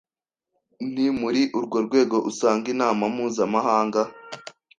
Ni muri urwo rwego usanga inama mpuzamahanga